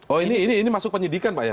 oh ini masuk penyidikan pak ya